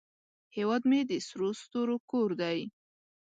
هیواد مې د سرو ستورو کور دی